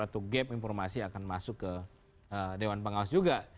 atau gap informasi akan masuk ke dewan pengawas juga